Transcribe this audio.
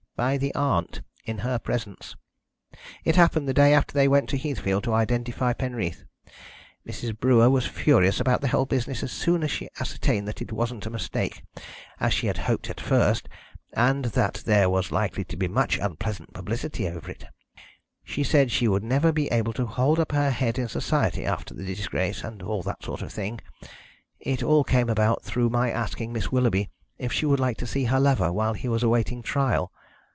"By the aunt, in her presence. It happened the day after they went to Heathfield to identify Penreath. Mrs. Brewer was furious about the whole business as soon as she ascertained that it wasn't a mistake, as she had hoped at first, and that there was likely to be much unpleasant publicity over it. She said she would never be able to hold up her head in Society after the disgrace, and all that sort of thing. It all came about through my asking Miss Willoughby if she would like to see her lover while he was awaiting trial.